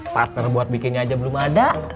partner buat bikinnya aja belum ada